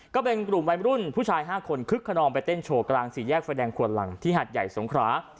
ก็เป็นกลุ่มวัยรุ่นผู้ชาย๕คนคึกขนองไปเต้นโชว์กลางสี่แยกไฟแดงขวนหลังที่หัดใหญ่สงครา